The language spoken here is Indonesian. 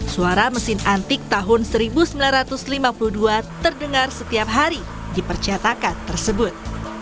suara mesin antik tahun seribu sembilan ratus lima puluh dua terdengar setiap hari di percetakan tersebut